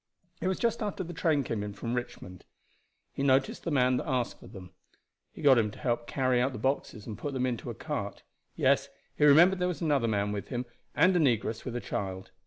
It was just after the train came in from Richmond. He noticed the man that asked for them. He got him to help carry out the boxes and put them into a cart. Yes, he remembered there was another man with him, and a negress with a child.